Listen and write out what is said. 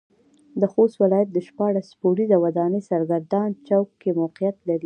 د خوست ولايت شپاړس پوړيزه وداني سرګردان چوک کې موقعيت لري.